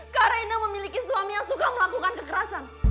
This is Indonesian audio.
kak reina memiliki suami yang suka melakukan kekerasan